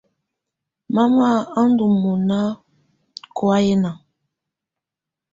Mama á ndɔ́ mɔna kɔ̀áyɛna.